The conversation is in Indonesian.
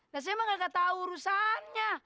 nah saya mah kagak tau urusannya